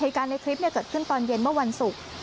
เหตุการณ์ในคลิปเกิดขึ้นตอนเย็นเมื่อวันศุกร์